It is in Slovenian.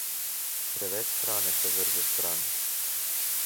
Preveč hrane se vrže stran.